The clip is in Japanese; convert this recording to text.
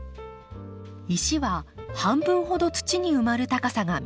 石は半分ほど土に埋まる高さが目安。